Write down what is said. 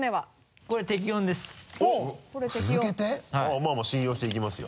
まぁ信用していきますよ。